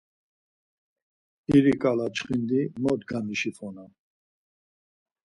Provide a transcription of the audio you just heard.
İri şǩala çxindi mo gamişifonam!